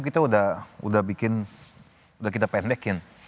mungkin udah kita pendekin